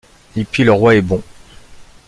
Et puis le roi est bon!